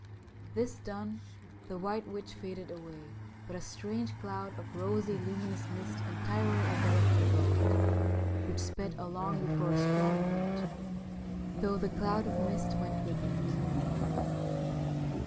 This done, the White Witch faded away, but a strange cloud of rosy, luminous mist entirely en veloped the boat, which sped along before a strong wind, though the cloud of mist went with it.